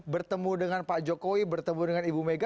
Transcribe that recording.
bertemu dengan pak jokowi bertemu dengan ibu mega